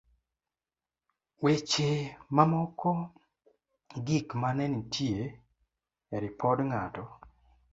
weche mamoko gik manenitie e Ripot Ng'ato